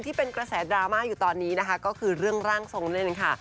ที่เป็นกระแสดราม่าอยู่ตอนนี้นะคะก็คือเรื่องร่างทรงเล่นค่ะ